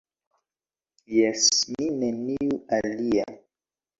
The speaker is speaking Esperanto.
Jes, mi, neniu alia.